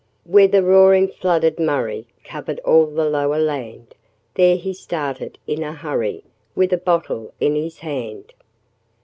Where the roaring flooded Murray Covered all the lower land, There he started in a hurry, With a bottle in his hand.